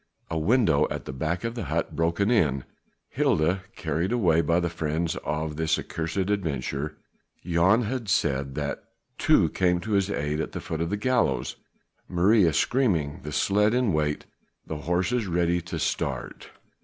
A window at the back of the hut broken in, Gilda carried away by the friends of this accursed adventurer Jan had said that two came to his aid at the foot of the gallows Maria screaming, the sledge in wait, the horses ready to start.